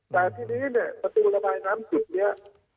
แต่ที่นี้ประตูระบายน้ำจุดนี้